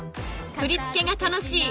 ［ふりつけが楽しい